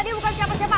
dia bukan siapa siapa